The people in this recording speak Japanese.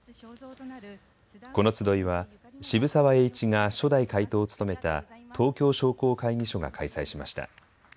この集いは渋沢栄一が初代会頭を務めた東京商工会議所が開催しました。